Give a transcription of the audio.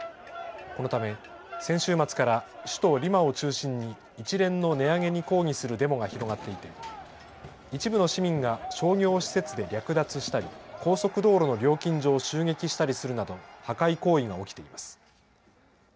このため、先週末から首都リマを中心に一連の値上げに抗議するデモが広がっていて一部の市民が商業施設で略奪したり高速道路の料金所を襲撃したりするなど破壊行為が起きています。